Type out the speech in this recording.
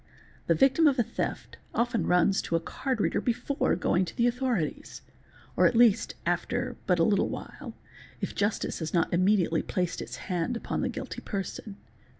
» The victim of a theft often runs to a card reader before going to the authorities, or at least after but a little while, if justice has not immediately placed its hand upon the guilty person.